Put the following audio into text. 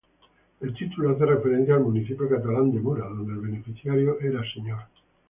El título hace referencia al municipio catalán de Mura, donde el beneficiario era señor.